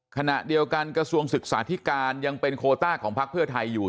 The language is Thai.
ขณะเดียวกันกระทรวงศึกษาธิการยังเป็นโคต้าของพักเพื่อไทยอยู่